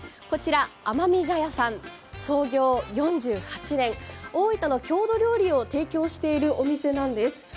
こちら甘味茶屋さん、創業４８年、大分の郷土料理を提供しているお店なんです。